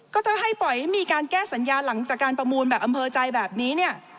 ก็ถ้าให้ปล่อยให้มีการแก้สัญญาหลังจากการประมูลแบบอำเภอใจแบบนี้เนี่ย